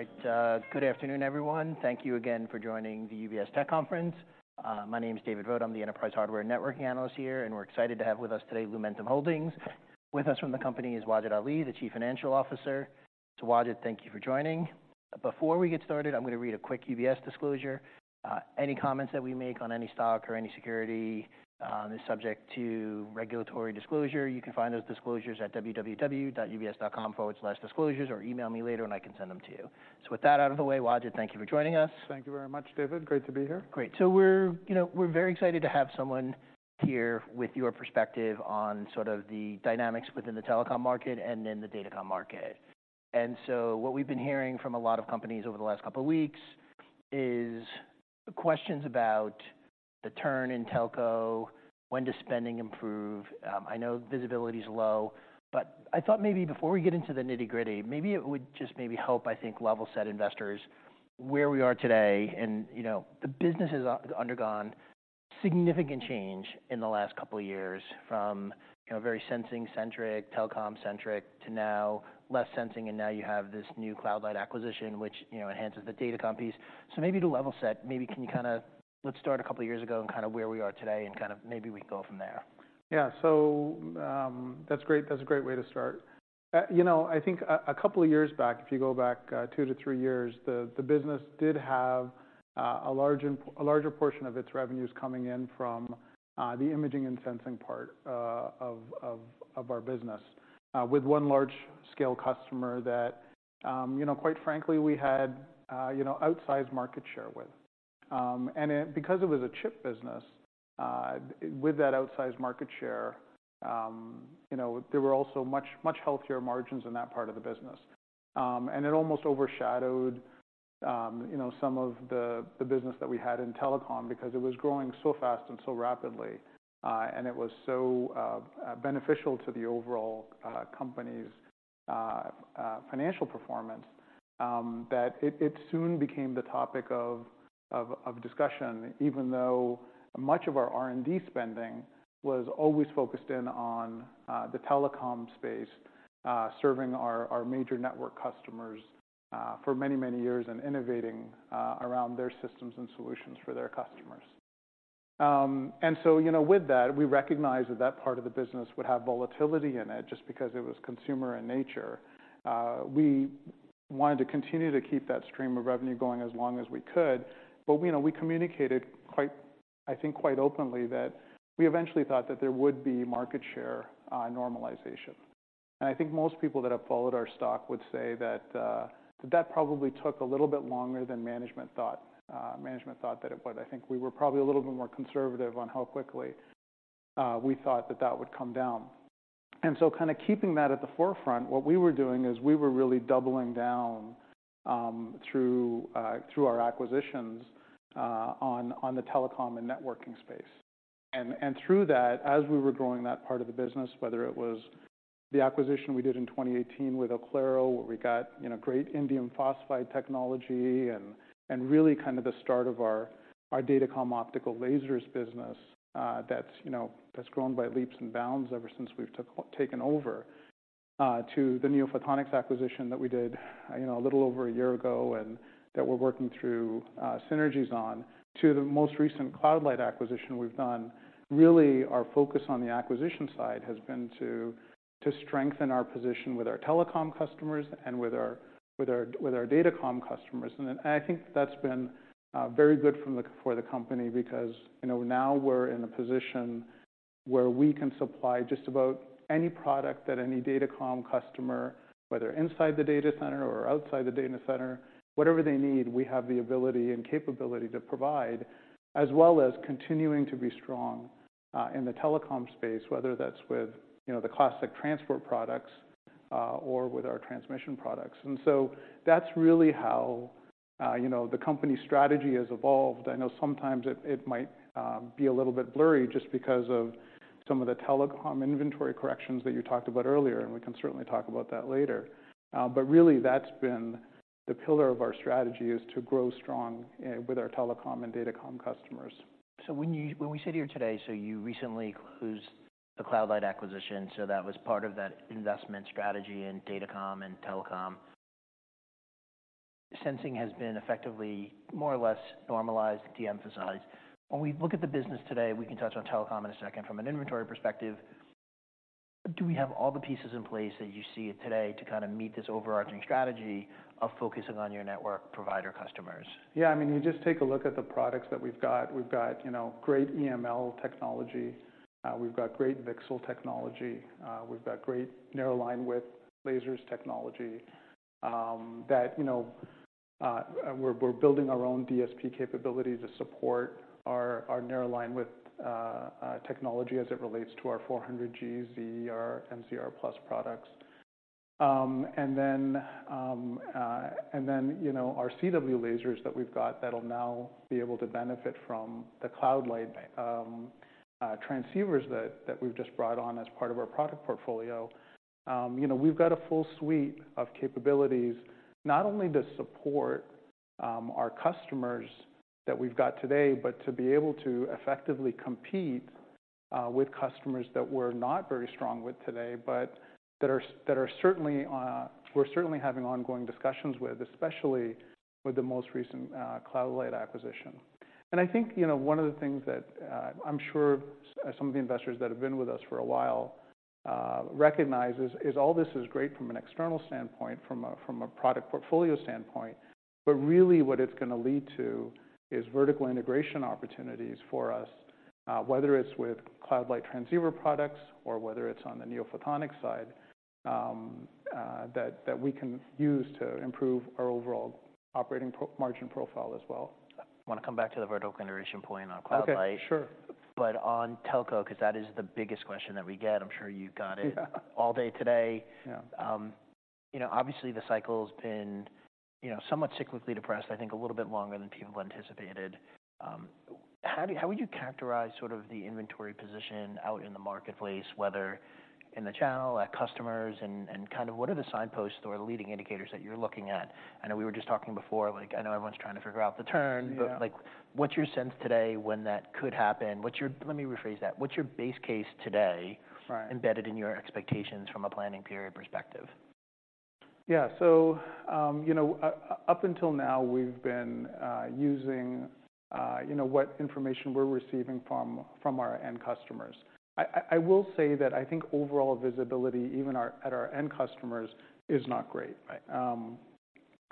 All right, good afternoon, everyone. Thank you again for joining the UBS Tech Conference. My name is David Vogt, I'm the enterprise hardware and networking analyst here, and we're excited to have with us today Lumentum Holdings. With us from the company is Wajid Ali, the Chief Financial Officer. So Wajid, thank you for joining. Before we get started, I'm gonna read a quick UBS disclosure. Any comments that we make on any stock or any security is subject to regulatory disclosure. You can find those disclosures at www.ubs.com/disclosures, or email me later and I can send them to you. So with that out of the way, Wajid, thank you for joining us. Thank you very much, David. Great to be here. Great. So we're, you know, we're very excited to have someone here with your perspective on sort of the dynamics within the telecom market and in the datacom market. And so what we've been hearing from a lot of companies over the last couple weeks is questions about the turn in telco, when does spending improve? I know visibility is low, but I thought maybe before we get into the nitty-gritty, maybe it would just maybe help, I think, level set investors where we are today. And, you know, the business has undergone significant change in the last couple of years, from, you know, very sensing-centric, telecom-centric, to now less sensing, and now you have this new Cloud Light acquisition, which, you know, enhances the datacom piece. So maybe to level set, maybe, can you kinda, let's start a couple of years ago and kind of where we are today, and kind of maybe we go from there. Yeah. So, that's great. That's a great way to start. You know, I think a couple of years back, if you go back, two to three years, the business did have a larger portion of its revenues coming in from the imaging and sensing part of our business. With one large-scale customer that, you know, quite frankly, we had you know, outsized market share with. And it, because it was a chip business, with that outsized market share, you know, there were also much, much healthier margins in that part of the business. It almost overshadowed, you know, some of the business that we had in telecom, because it was growing so fast and so rapidly, and it was so beneficial to the overall company's financial performance, that it soon became the topic of discussion, even though much of our R&D spending was always focused in on the telecom space, serving our major network customers for many, many years and innovating around their systems and solutions for their customers. So, you know, with that, we recognized that that part of the business would have volatility in it, just because it was consumer in nature. We wanted to continue to keep that stream of revenue going as long as we could, but, you know, we communicated quite, I think, quite openly, that we eventually thought that there would be market share normalization. And I think most people that have followed our stock would say that that probably took a little bit longer than management thought. Management thought that it would. I think we were probably a little bit more conservative on how quickly we thought that that would come down. And so kinda keeping that at the forefront, what we were doing is, we were really doubling down through our acquisitions on the telecom and networking space. Through that, as we were growing that part of the business, whether it was the acquisition we did in 2018 with Oclaro, where we got, you know, great indium phosphide technology and really kind of the start of our datacom optical lasers business, that's, you know, that's grown by leaps and bounds ever since we've taken over. To the NeoPhotonics acquisition that we did, you know, a little over a year ago, and that we're working through synergies on, to the most recent Cloud Light acquisition we've done. Really, our focus on the acquisition side has been to strengthen our position with our telecom customers and with our datacom customers. I think that's been very good for the company, because, you know, now we're in a position where we can supply just about any product that any datacom customer, whether inside the data center or outside the data center, whatever they need, we have the ability and capability to provide, as well as continuing to be strong in the telecom space, whether that's with, you know, the classic transport products, or with our transmission products. And so that's really how, you know, the company's strategy has evolved. I know sometimes it might be a little bit blurry just because of some of the telecom inventory corrections that you talked about earlier, and we can certainly talk about that later. But really, that's been the pillar of our strategy, is to grow strong with our telecom and datacom customers. So when we sit here today, you recently closed the Cloud Light acquisition, so that was part of that investment strategy in datacom and telecom. Sensing has been effectively more or less normalized, de-emphasized. When we look at the business today, we can touch on telecom in a second, from an inventory perspective, do we have all the pieces in place that you see today to kind of meet this overarching strategy of focusing on your network provider customers? Yeah, I mean, you just take a look at the products that we've got. We've got, you know, great EML technology. We've got great VCSEL technology. We've got great narrow linewidth lasers technology, that you know—we're building our own DSP capability to support our narrow linewidth technology as it relates to our 400G ZR, ZR+ products. And then, you know, our CW lasers that we've got, that'll now be able to benefit from the Cloud Light transceivers that we've just brought on as part of our product portfolio. You know, we've got a full suite of capabilities, not only to support our customers that we've got today, but to be able to effectively compete-... With customers that we're not very strong with today, but that are certainly we're certainly having ongoing discussions with, especially with the most recent Cloud Light acquisition. And I think, you know, one of the things that I'm sure some of the investors that have been with us for a while recognize is all this is great from an external standpoint, from a product portfolio standpoint, but really what it's gonna lead to is vertical integration opportunities for us, whether it's with Cloud Light transceiver products or whether it's on the NeoPhotonics side, that we can use to improve our overall operating margin profile as well. I wanna come back to the vertical integration point on Cloud Light. Okay, sure. But on Telco, 'cause that is the biggest question that we get, I'm sure you've got it- Yeah... all day today. Yeah. You know, obviously the cycle's been, you know, somewhat cyclically depressed, I think, a little bit longer than people anticipated. How would you characterize sort of the inventory position out in the marketplace, whether in the channel, at customers, and kind of what are the signposts or leading indicators that you're looking at? I know we were just talking before, like, I know everyone's trying to figure out the turn- Yeah... but, like, what's your sense today when that could happen? What's your-- Let me rephrase that. What's your base case today- Right... embedded in your expectations from a planning period perspective? Yeah. So, you know, up until now, we've been using, you know, what information we're receiving from our end customers. I will say that I think overall visibility, even at our end customers, is not great. Right.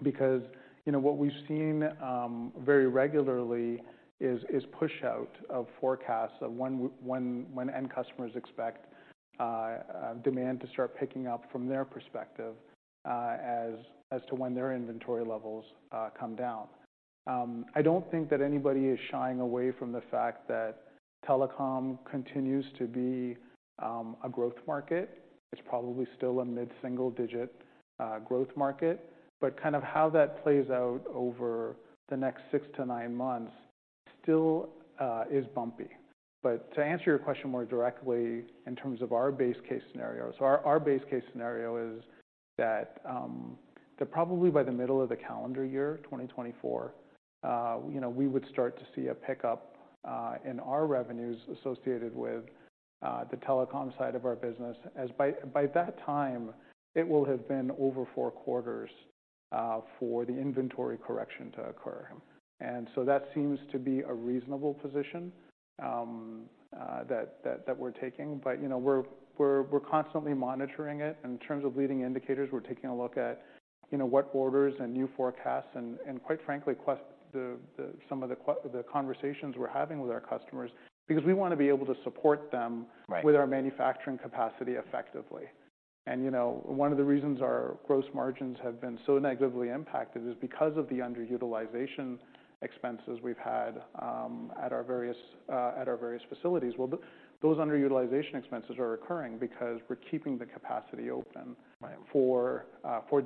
Because, you know, what we've seen very regularly is pushout of forecasts of when end customers expect demand to start picking up from their perspective, as to when their inventory levels come down. I don't think that anybody is shying away from the fact that telecom continues to be a growth market. It's probably still a mid-single digit growth market, but kind of how that plays out over the next six to nine months still is bumpy. But to answer your question more directly in terms of our base case scenario, our base case scenario is that probably by the middle of the calendar year, 2024, you know, we would start to see a pickup in our revenues associated with the telecom side of our business. By that time, it will have been over four quarters for the inventory correction to occur. And so that seems to be a reasonable position that we're taking. But, you know, we're constantly monitoring it. In terms of leading indicators, we're taking a look at, you know, what orders and new forecasts and quite frankly, the conversations we're having with our customers, because we want to be able to support them- Right... with our manufacturing capacity effectively. And, you know, one of the reasons our gross margins have been so negatively impacted is because of the underutilization expenses we've had at our various facilities. Well, those underutilization expenses are occurring because we're keeping the capacity open- Right... for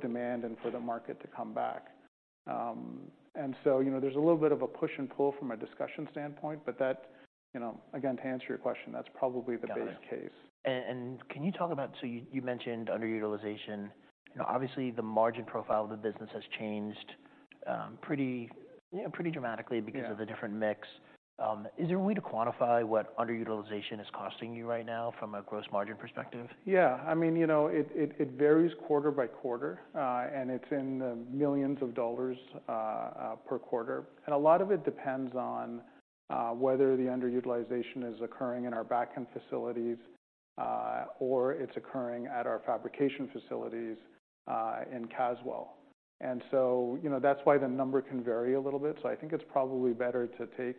demand and for the market to come back. And so, you know, there's a little bit of a push and pull from a discussion standpoint, but that, you know, again, to answer your question, that's probably the base case. Can you talk about... So you mentioned underutilization. You know, obviously the margin profile of the business has changed, pretty, you know, pretty dramatically- Yeah... because of the different mix. Is there a way to quantify what underutilization is costing you right now from a gross margin perspective? Yeah. I mean, you know, it varies quarter by quarter, and it's in the millions of dollars per quarter. And a lot of it depends on whether the underutilization is occurring in our backend facilities, or it's occurring at our fabrication facilities in Caswell. And so, you know, that's why the number can vary a little bit. So I think it's probably better to take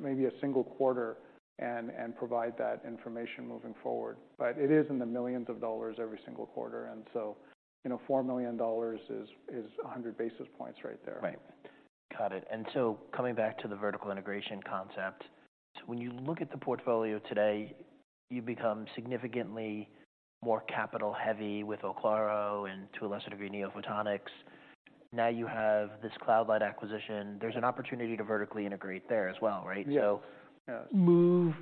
maybe a single quarter and provide that information moving forward. But it is in the millions of dollars every single quarter, and so, you know, $4 million is 100 basis points right there. Right. Got it. And so coming back to the vertical integration concept, when you look at the portfolio today, you become significantly more capital-heavy with Oclaro and, to a lesser degree, NeoPhotonics. Now, you have this Cloud Light acquisition. There's an opportunity to vertically integrate there as well, right? Yeah. So- Yeah... move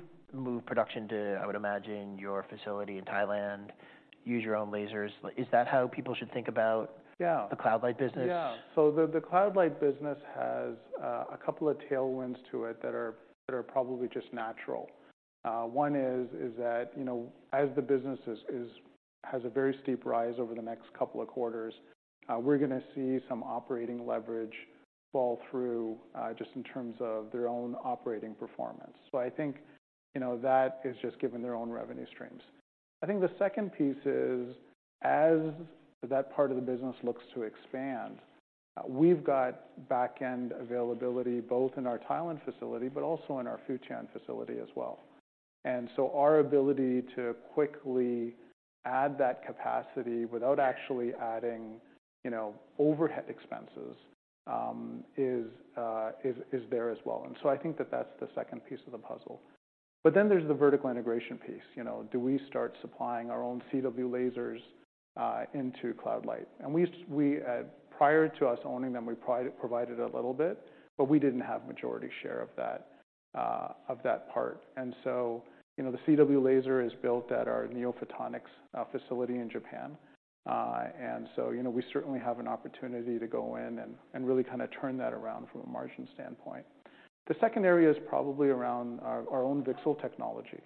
production to, I would imagine, your facility in Thailand, use your own lasers. Like, is that how people should think about- Yeah... the Cloud Light business? Yeah. So the Cloud Light business has a couple of tailwinds to it that are probably just natural. One is that, you know, as the business has a very steep rise over the next couple of quarters, we're gonna see some operating leverage fall through just in terms of their own operating performance. So I think, you know, that is just given their own revenue streams. I think the second piece is, as that part of the business looks to expand, we've got backend availability, both in our Thailand facility, but also in our Dongguan facility as well. And so I think that that's the second piece of the puzzle. But then there's the vertical integration piece. You know, do we start supplying our own CW lasers into Cloud Light? And we, prior to us owning them, we provided a little bit, but we didn't have majority share of that part. And so you know, the CW laser is built at our NeoPhotonics facility in Japan. And so, you know, we certainly have an opportunity to go in and really kind of turn that around from a margin standpoint. The second area is probably around our own VCSEL technology.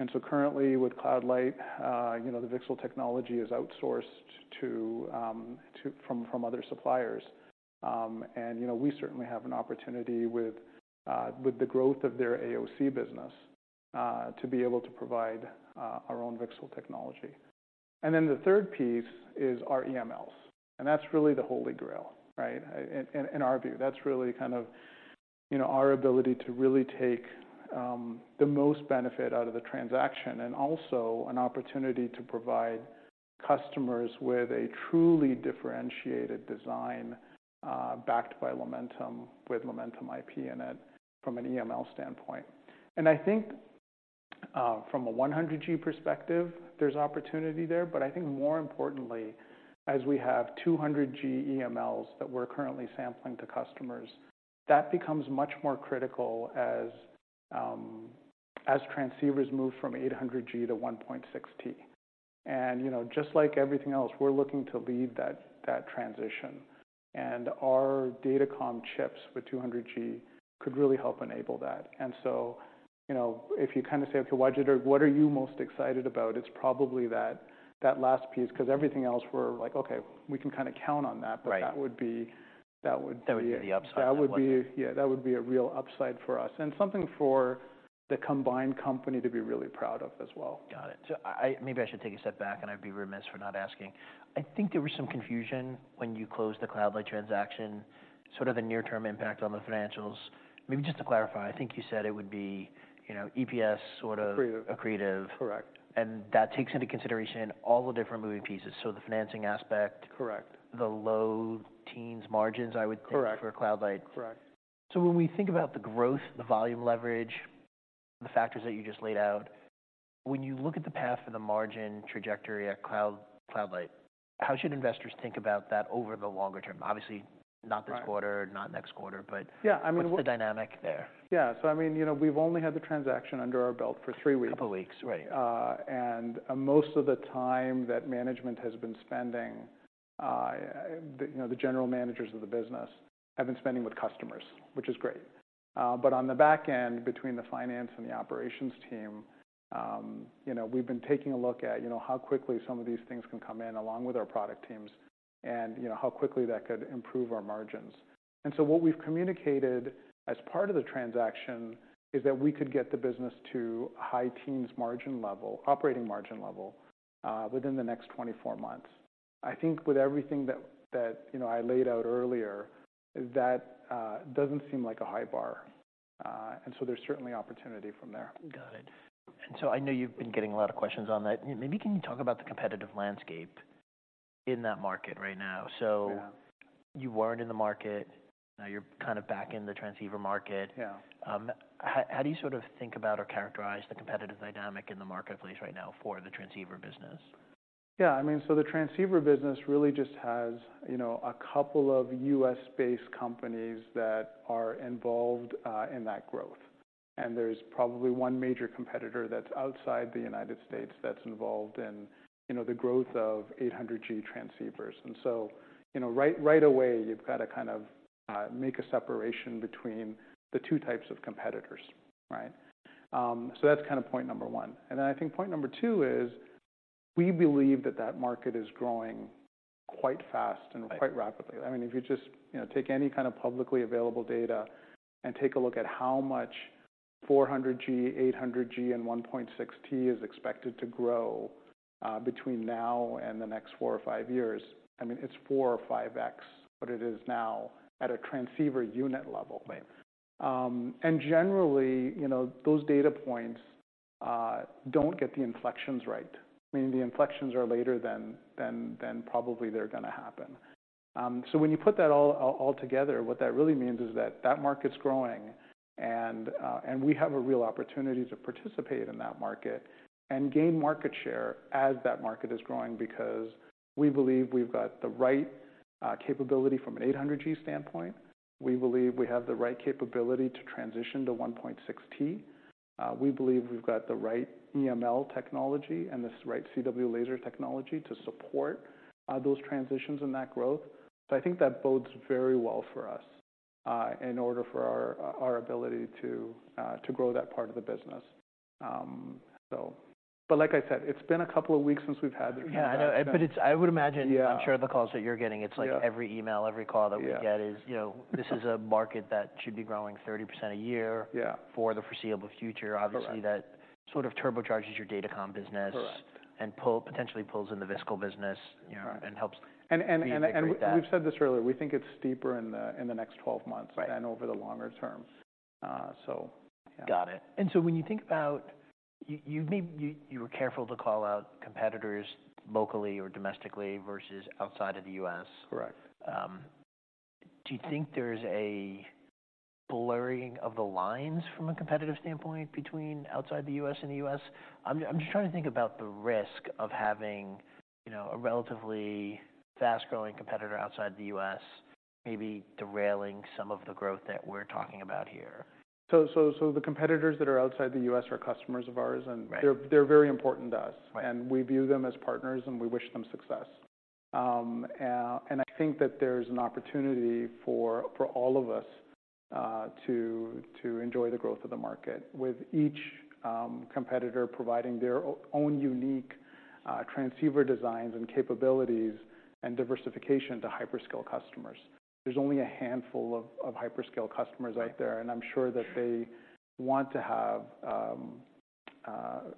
And so currently with Cloud Light, you know, the VCSEL technology is outsourced to other suppliers. And, you know, we certainly have an opportunity with the growth of their AOC business to be able to provide our own VCSEL technology. And then the third piece is our EMLs, and that's really the holy grail, right? In our view. That's really kind of, you know, our ability to really take the most benefit out of the transaction, and also an opportunity to provide customers with a truly differentiated design, backed by Lumentum, with Lumentum IP in it from an EML standpoint. And I think, from a 100G perspective, there's opportunity there. But I think more importantly, as we have 200G EMLs that we're currently sampling to customers, that becomes much more critical as transceivers move from 800G to 1.6T. And, you know, just like everything else, we're looking to lead that transition, and our datacom chips with 200G could really help enable that. And so, you know, if you kind of say, "Okay, Wajid, what are you most excited about?" It's probably that, that last piece, because everything else we're like, "Okay, we can kind of count on that. Right. But that would be- That would be the upside. That would be... Yeah, that would be a real upside for us, and something for the combined company to be really proud of as well. Got it. So maybe I should take a step back, and I'd be remiss for not asking. I think there was some confusion when you closed the Cloud Light transaction, sort of the near-term impact on the financials. Maybe just to clarify, I think you said it would be, you know, EPS sort of- Accretive. Accretive. Correct. That takes into consideration all the different moving pieces, so the financing aspect. Correct. The low teens margins, I would think- Correct... for Cloud Light. Correct. So when we think about the growth, the volume leverage, the factors that you just laid out, when you look at the path for the margin trajectory at Cloud Light, how should investors think about that over the longer term? Obviously, not this quarter- Right... not next quarter, but- Yeah, I mean- What's the dynamic there? Yeah. So, I mean, you know, we've only had the transaction under our belt for three weeks. A couple weeks, right? And most of the time that management has been spending, you know, the general managers of the business have been spending with customers, which is great. But on the back end, between the finance and the operations team, you know, we've been taking a look at, you know, how quickly some of these things can come in, along with our product teams and, you know, how quickly that could improve our margins. And so what we've communicated as part of the transaction is that we could get the business to a high teens margin level, operating margin level, within the next 24 months. I think with everything that, you know, I laid out earlier, that doesn't seem like a high bar. And so there's certainly opportunity from there. Got it. So I know you've been getting a lot of questions on that. Maybe, can you talk about the competitive landscape in that market right now? Yeah. You weren't in the market, now you're kind of back in the transceiver market. Yeah. How do you sort of think about or characterize the competitive dynamic in the marketplace right now for the transceiver business? Yeah, I mean, so the transceiver business really just has, you know, a couple of U.S.-based companies that are involved in that growth. And there's probably one major competitor that's outside the United States that's involved in, you know, the growth of 800G transceivers. And so, you know, right, right away, you've got to kind of make a separation between the two types of competitors, right? So that's kind of point number one. And then I think point number two is, we believe that that market is growing quite fast- Right... and quite rapidly. I mean, if you just, you know, take any kind of publicly available data and take a look at how much 400G, 800G, and 1.6T is expected to grow, between now and the next four or five years, I mean, it's four or 5x, but it is now at a transceiver unit level. Right. And generally, you know, those data points don't get the inflections right. I mean, the inflections are later than probably they're going to happen. So when you put that all together, what that really means is that that market's growing and we have a real opportunity to participate in that market and gain market share as that market is growing, because we believe we've got the right capability from an 800G standpoint. We believe we have the right capability to transition to 1.6T. We believe we've got the right EML technology and the right CW laser technology to support those transitions and that growth. So I think that bodes very well for us in order for our ability to grow that part of the business. So... But like I said, it's been a couple of weeks since we've had the- Yeah, I know. But it's- I would imagine- Yeah... I'm sure the calls that you're getting, it's like- Yeah... every email, every call that- Yeah... we get is, you know, this is a market that should be growing 30% a year- Yeah... for the foreseeable future. Correct. Obviously, that sort of turbocharges your datacom business- Correct... and potentially pulls in the VCSEL business- Correct... and helps. And, and, and, and- Integrate that... we've said this earlier, we think it's steeper in the, in the next 12 months- Right... than over the longer term. So yeah. Got it. And so when you think about... You may, you were careful to call out competitors locally or domestically versus outside of the US. Correct. Do you think there's a blurring of the lines from a competitive standpoint between outside the U.S. and the U.S.? I'm just trying to think about the risk of having, you know, a relatively fast-growing competitor outside the U.S.... maybe derailing some of the growth that we're talking about here? So, the competitors that are outside the US are customers of ours, and- Right... they're very important to us. Right. We view them as partners, and we wish them success. I think that there's an opportunity for all of us to enjoy the growth of the market, with each competitor providing their own unique transceiver designs and capabilities and diversification to hyperscale customers. There's only a handful of hyperscale customers out there- Right I'm sure that they want to have,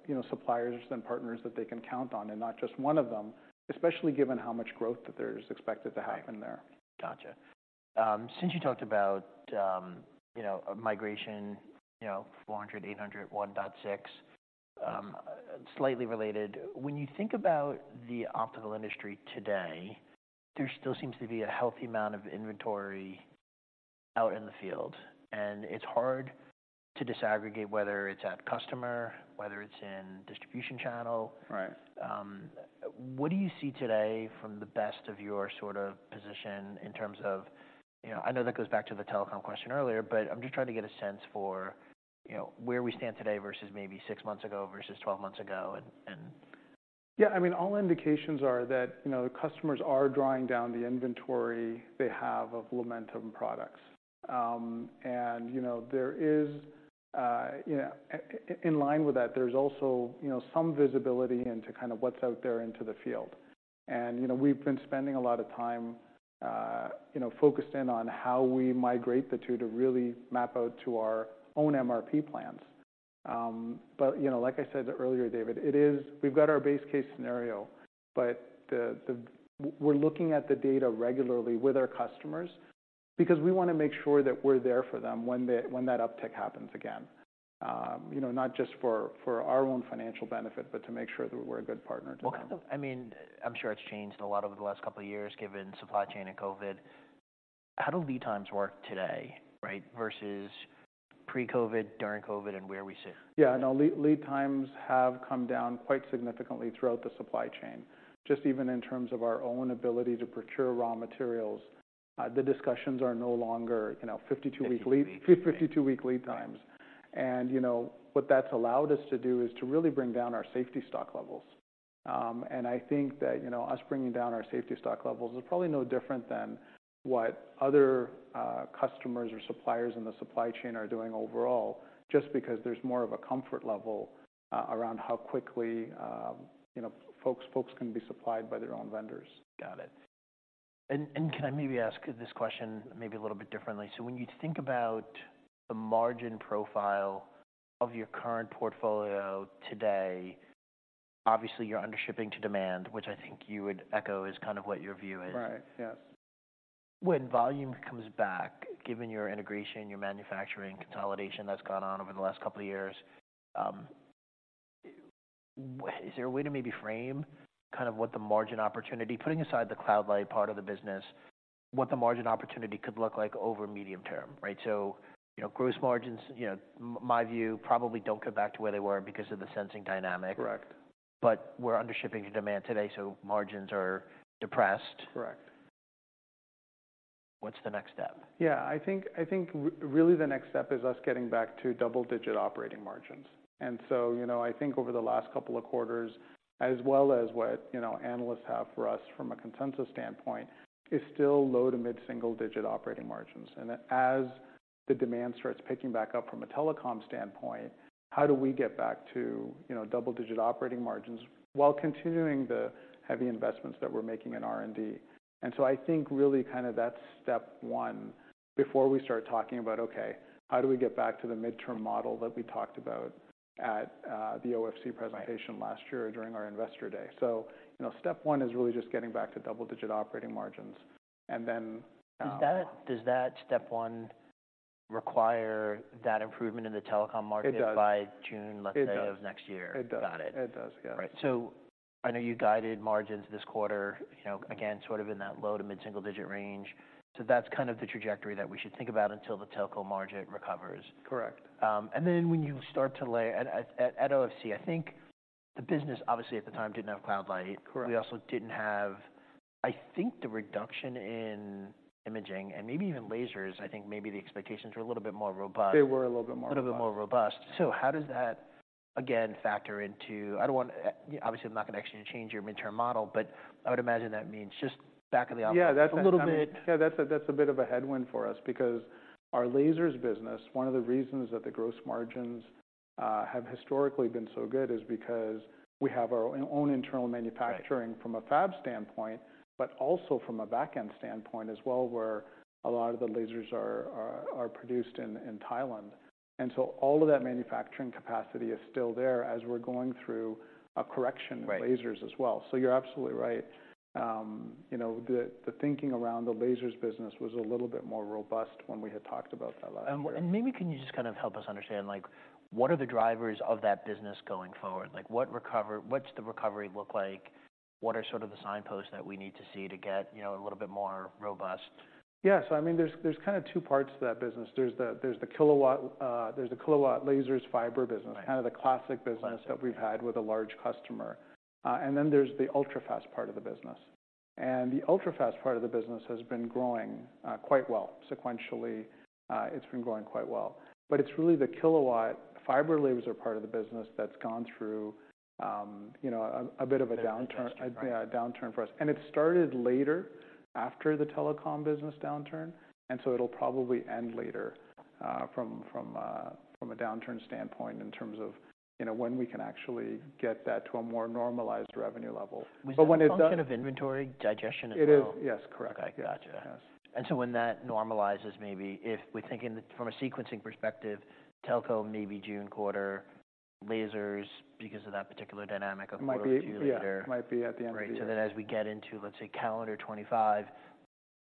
you know, suppliers and partners that they can count on, and not just one of them, especially given how much growth that there is expected to happen there. Gotcha. Since you talked about, you know, migration, you know, 400, 800, 1.6, slightly related: when you think about the optical industry today, there still seems to be a healthy amount of inventory out in the field. And it's hard to disaggregate whether it's at customer, whether it's in distribution channel. Right. What do you see today from the best of your sort of position in terms of... You know, I know that goes back to the telecom question earlier, but I'm just trying to get a sense for, you know, where we stand today versus maybe six months ago versus 12 months ago, and, and- Yeah, I mean, all indications are that, you know, the customers are drawing down the inventory they have of Lumentum products. And, you know, there is, yeah, in line with that, there's also, you know, some visibility into kind of what's out there into the field. And, you know, we've been spending a lot of time, you know, focused in on how we migrate the two to really map out to our own MRP plans. But, you know, like I said earlier, David, it is. We've got our base case scenario, but we're looking at the data regularly with our customers because we want to make sure that we're there for them when they, when that uptick happens again. You know, not just for our own financial benefit, but to make sure that we're a good partner to them. Well, kind of... I mean, I'm sure it's changed a lot over the last couple of years, given supply chain and COVID. How do lead times work today, right, versus pre-COVID, during COVID, and where are we soon? Yeah. No, lead times have come down quite significantly throughout the supply chain, just even in terms of our own ability to procure raw materials. The discussions are no longer, you know, 52-week lead- Fifty-two weeks... 52-week lead times. You know, what that's allowed us to do is to really bring down our safety stock levels. I think that, you know, us bringing down our safety stock levels is probably no different than what other customers or suppliers in the supply chain are doing overall, just because there's more of a comfort level around how quickly, you know, folks can be supplied by their own vendors. Got it. Can I maybe ask this question maybe a little bit differently? When you think about the margin profile of your current portfolio today, obviously you're under shipping to demand, which I think you would echo is kind of what your view is. Right. Yeah. When volume comes back, given your integration, your manufacturing consolidation that's gone on over the last couple of years, is there a way to maybe frame kind of what the margin opportunity, putting aside the Cloud Light part of the business, what the margin opportunity could look like over medium term, right? So, you know, gross margins, you know, my view, probably don't go back to where they were because of the sensing dynamic. Correct. We're undershipping to demand today, so margins are depressed. Correct. What's the next step? Yeah, I think really the next step is us getting back to double-digit operating margins. And so, you know, I think over the last couple of quarters, as well as what, you know, analysts have for us from a consensus standpoint, is still low to mid-single digit operating margins. And as the demand starts picking back up from a telecom standpoint, how do we get back to, you know, double-digit operating margins while continuing the heavy investments that we're making in R&D? And so I think really kind of that's step one before we start talking about, okay, how do we get back to the midterm model that we talked about at the OFC presentation- Right last year during our Investor Day. So, you know, step one is really just getting back to double-digit operating margins, and then, Does that step one require that improvement in the telecom market? It does by June, let's say, of next year? It does. Got it. It does, yes. Right. So I know you guided margins this quarter, you know, again, sort of in that low to mid-single digit range. So that's kind of the trajectory that we should think about until the telecom margin recovers. Correct. And then when you start to lay... At OFC, I think the business obviously at the time didn't have Cloud Light. Correct. We also didn't have, I think, the reduction in imaging and maybe even lasers. I think maybe the expectations were a little bit more robust. They were a little bit more robust. A little bit more robust. So how does that, again, factor into... I don't want-- obviously, I'm not going to ask you to change your midterm model, but I would imagine that means just back of the offer- Yeah, that's- a little bit Yeah, that's a, that's a bit of a headwind for us because our lasers business, one of the reasons that the gross margins have historically been so good is because we have our own internal manufacturing- Right... from a fab standpoint, but also from a back-end standpoint as well, where a lot of the lasers are produced in Thailand. And so all of that manufacturing capacity is still there as we're going through a correction- Right... in lasers as well. So you're absolutely right. You know, the thinking around the lasers business was a little bit more robust when we had talked about that last year. Maybe can you just kind of help us understand, like, what are the drivers of that business going forward? Like, what's the recovery look like? What are sort of the signposts that we need to see to get, you know, a little bit more robust? Yeah. So I mean, there's kind of two parts to that business. There's the kilowatt lasers fiber business- Right... kind of the classic business- Right - that we've had with a large customer. And then there's the ultra-fast part of the business... and the ultrafast part of the business has been growing quite well. Sequentially, it's been growing quite well. But it's really the kilowatt fiber laser part of the business that's gone through, you know, a bit of a downturn- Yeah. Yeah, a downturn for us. And it started later, after the telecom business downturn, and so it'll probably end later, from a downturn standpoint in terms of, you know, when we can actually get that to a more normalized revenue level. But when it does- Was it a function of inventory digestion, as well? It is, yes. Correct. Okay, gotcha. Yes. So when that normalizes, maybe if we think from a sequencing perspective, telco may be June quarter, lasers, because of that particular dynamic, a quarter or two later. Might be, yeah, might be at the end of the year. Right. So then as we get into, let's say, calendar 2025,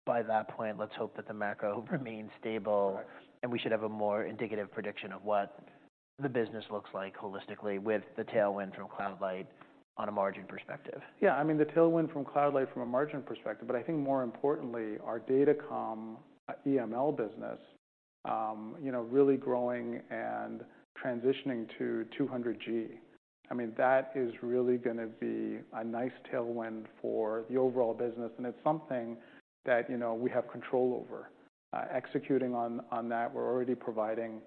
by that point, let's hope that the macro remains stable. Correct. We should have a more indicative prediction of what the business looks like holistically with the tailwind from Cloud Light on a margin perspective. Yeah, I mean, the tailwind from Cloud Light from a margin perspective, but I think more importantly, our datacom EML business, you know, really growing and transitioning to 200G. I mean, that is really gonna be a nice tailwind for the overall business, and it's something that, you know, we have control over. Executing on that, we're already providing,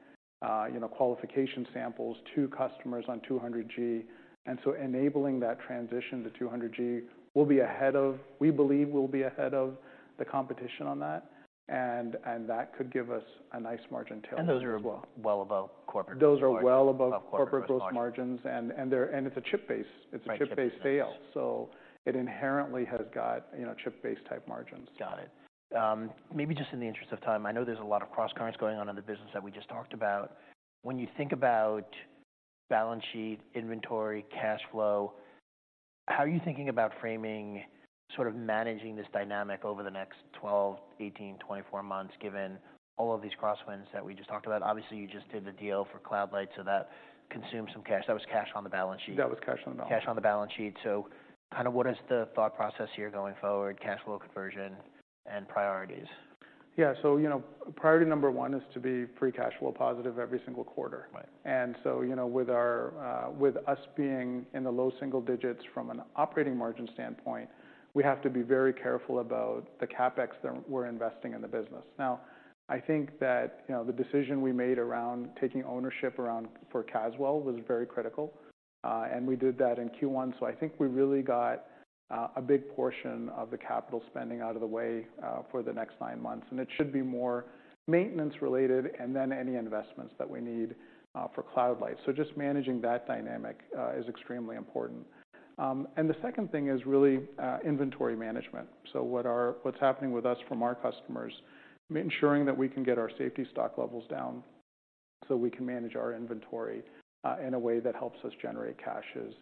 you know, qualification samples to customers on 200G. And so enabling that transition to 200G, we'll be ahead of... We believe we'll be ahead of the competition on that, and that could give us a nice margin tailwind as well. Those are well above corporate- Those are well above- Above corporate margins.... corporate growth margins, and they're-- and it's a chip-based- Right... it's a chip-based sale, so it inherently has got, you know, chip-based type margins. Got it. Maybe just in the interest of time, I know there's a lot of crosscurrents going on in the business that we just talked about. When you think about balance sheet, inventory, cash flow, how are you thinking about framing, sort of managing this dynamic over the next 12, 18, 24 months, given all of these crosswinds that we just talked about? Obviously, you just did the deal for Cloud Light, so that consumed some cash. That was cash on the balance sheet. That was cash on the balance sheet. Cash on the balance sheet. So kind of what is the thought process here going forward, cash flow conversion and priorities? Yeah so, you know, priority number one is to be free cash flow positive every single quarter. Right. So, you know, with our, with us being in the low single digits from an operating margin standpoint, we have to be very careful about the CapEx that we're investing in the business. Now, I think that, you know, the decision we made around taking ownership around for Caswell was very critical, and we did that in Q1, so I think we really got, a big portion of the capital spending out of the way, for the next nine months. And it should be more maintenance-related and then any investments that we need, for Cloud Light. So just managing that dynamic, is extremely important. And the second thing is really, inventory management. So what's happening with us from our customers, ensuring that we can get our safety stock levels down so we can manage our inventory in a way that helps us generate cash is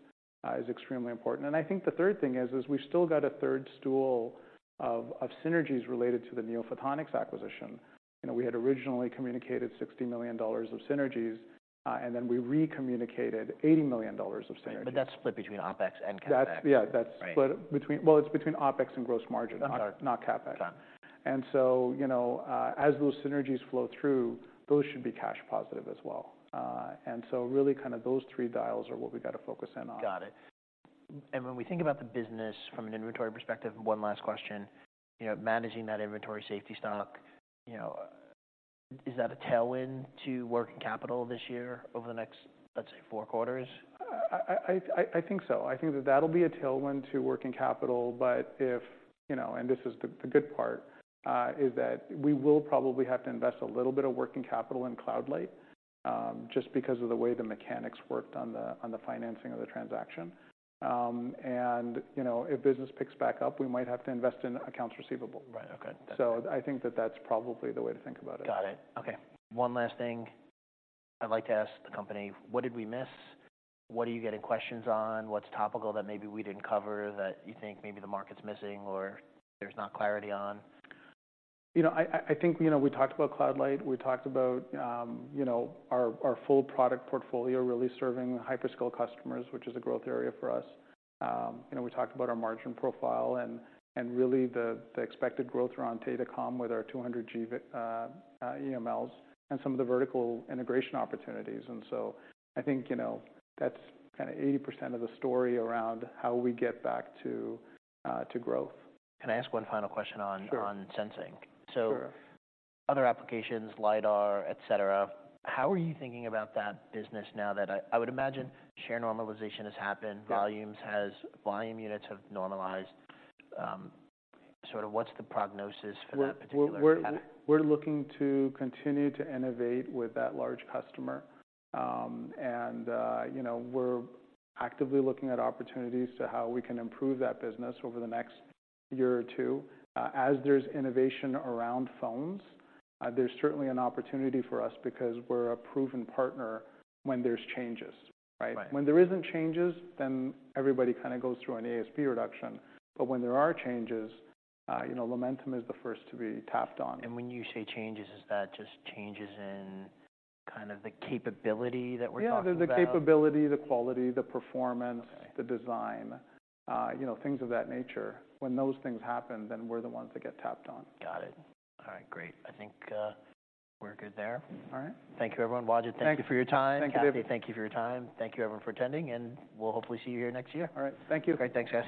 extremely important. And I think the third thing is we've still got a third stool of synergies related to the NeoPhotonics acquisition. You know, we had originally communicated $60 million of synergies, and then we recommunicated $80 million of synergies. But that's split between OpEx and CapEx. That's yeah, that's. Right... Well, it's between OpEx and gross margin. I'm sorry. Not CapEx. Got it. And so, you know, as those synergies flow through, those should be cash positive as well. And so really, kind of those three dials are what we've got to focus in on. Got it. When we think about the business from an inventory perspective, one last question. You know, managing that inventory safety stock, you know, is that a tailwind to working capital this year over the next, let's say, four quarters? I think so. I think that that'll be a tailwind to working capital, but if... You know, and this is the good part, is that we will probably have to invest a little bit of working capital in Cloud Light, just because of the way the mechanics worked on the financing of the transaction. And, you know, if business picks back up, we might have to invest in accounts receivable. Right. Okay. I think that that's probably the way to think about it. Got it. Okay, one last thing I'd like to ask the company: What did we miss? What are you getting questions on? What's topical that maybe we didn't cover, that you think maybe the market's missing or there's not clarity on? You know, I think, you know, we talked about Cloud Light. We talked about, you know, our, our full product portfolio really serving hyperscale customers, which is a growth area for us. You know, we talked about our margin profile and, and really, the, the expected growth around datacom with our 200G EMLs and some of the vertical integration opportunities. And so I think, you know, that's kinda 80% of the story around how we get back to growth. Can I ask one final question on- Sure... on sensing? Sure. So other applications, lidar, et cetera, how are you thinking about that business now that I... I would imagine share normalization has happened? Yeah... volumes has, volume units have normalized. Sort of, what's the prognosis for that particular product? We're looking to continue to innovate with that large customer. And you know, we're actively looking at opportunities to how we can improve that business over the next year or two. As there's innovation around phones, there's certainly an opportunity for us because we're a proven partner when there's changes, right? Right. When there isn't changes, then everybody kind of goes through an ASP reduction. But when there are changes, you know, Lumentum is the first to be tapped on. When you say changes, is that just changes in kind of the capability that we're talking about? Yeah, the capability, the quality, the performance- Okay... the design, you know, things of that nature. When those things happen, then we're the ones that get tapped on. Got it. All right, great. I think, we're good there. All right. Thank you, everyone. Wajid- Thank you. Thank you for your time. Thank you. Kathy, thank you for your time. Thank you, everyone, for attending, and we'll hopefully see you here next year. All right. Thank you. Great. Thanks, guys.